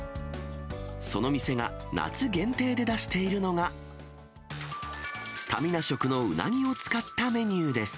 その店が夏限定で出しているのが、スタミナ食のうなぎを使ったメニューです。